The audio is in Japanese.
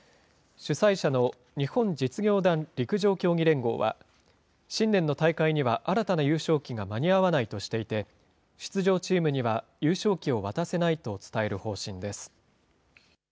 主催者の日本実業団陸上競技連合は、新年の大会には新たな優勝旗が間に合わないとしていて、出場チームには優勝旗を渡せないと伝える方針です。